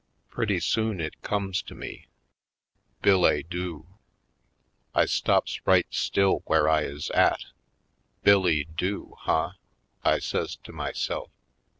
Pretty soon it comes to me — billet douxl I stops right still where I is at: "Bill Lee do, huh?" I says to myself.